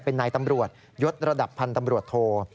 เป็นนายตำรวจยศระดับพันธ์ตำรวจโท